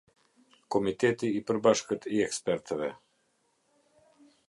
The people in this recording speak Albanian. Komiteti i Përbashicët i Ekspertëve.